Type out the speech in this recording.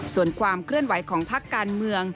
ส่วนความเคลื่อนไหวของพักการเมือง